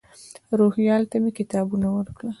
روهیال ته مې کتابونه ورکړل.